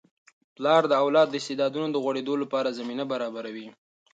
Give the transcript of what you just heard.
پلار د اولاد د استعدادونو د غوړیدو لپاره زمینه برابروي.